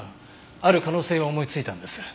ある可能性を思いついたんです。